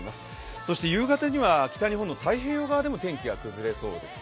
そして夕方には北日本の太平洋側でも天気が崩れそうです。